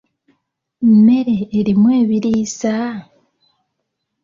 Mmere erimu ebiriisa?